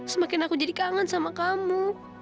semakin aku jadi kangen sama kamu